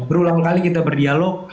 berulang kali kita berdialog